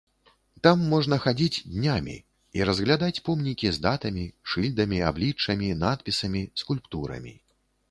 Там можна хадзіць днямі і разглядаць помнікі з датамі, шыльдамі, абліччамі, надпісамі, скульптурамі.